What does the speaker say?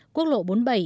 quốc lộ bốn mươi bảy